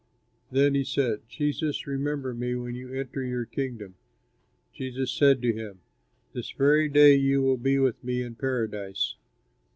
Then he said, "Jesus, remember me when you enter your kingdom." Jesus said to him, "This very day you will be with me in paradise."